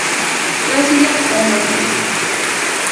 raslla armakuy.